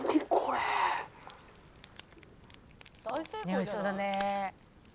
「美味しそうだね」